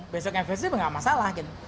besoknya facelift gak masalah gitu